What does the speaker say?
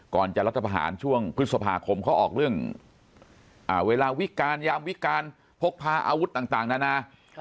ก่อนจะรัฐประหารช่วงพฤษภาคมเขาออกเรื่องเวลาวิการยามวิการพกพาอาวุธต่างนานา